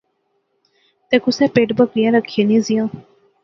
تے کُسے پہید بکریاں رکھیاں نیاں زیاں